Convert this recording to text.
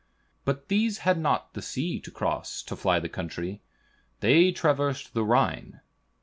But these had not the sea to cross to fly the country; they traversed the Rhine.